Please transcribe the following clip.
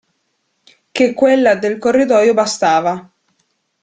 Ché quella del corridoio bastava.